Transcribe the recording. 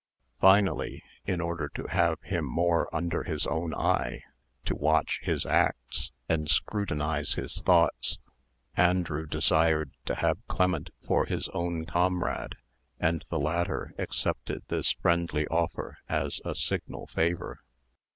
Finally, in order to have him more under his own eye, to watch his acts, and scrutinise his thoughts, Andrew desired to have Clement for his own comrade, and the latter accepted this friendly offer as a signal favour.